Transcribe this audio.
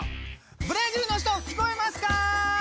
ブラジルの人聞こえますか？